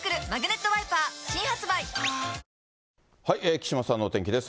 木島さんのお天気です。